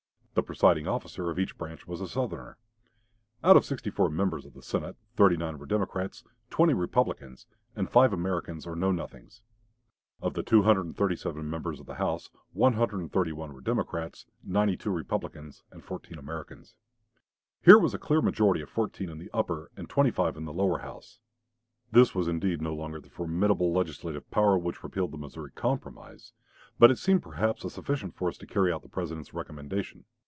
The presiding officer of each branch was a Southerner. Out of 64 members of the Senate, 39 were Democrats, 20 Republicans, and five Americans or Know Nothings. Of the 237 members of the House, 131 were Democrats, 92 Republicans, and 14 Americans. Here was a clear majority of fourteen in the upper and twenty five in the lower House. This was indeed no longer the formidable legislative power which repealed the Missouri Compromise, but it seemed perhaps a sufficient force to carry out the President's recommendation.